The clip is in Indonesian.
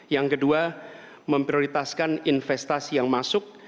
yang kedua memprioritaskan investasi yang masuk